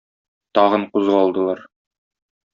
Тагын кузгалдылар.